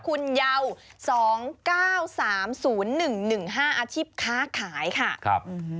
คุณเยาว์๒๙๓๐๑๑๕อาชีพค้าขายค่ะครับ